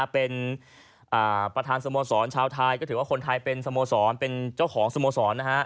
เป็นประธานสโมสรชาวไทยก็ถือว่าคนไทยเป็นสโมสรเป็นเจ้าของสโมสร